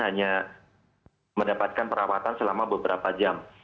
hanya mendapatkan perawatan selama beberapa jam